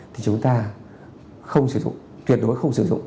thì chúng ta không sử dụng tuyệt đối không sử dụng